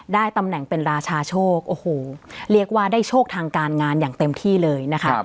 ได้ตำแหน่งเป็นราชาโชคโอ้โหเรียกว่าได้โชคทางการงานอย่างเต็มที่เลยนะคะ